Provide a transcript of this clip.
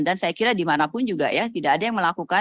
dan saya kira dimanapun juga ya tidak ada yang melakukan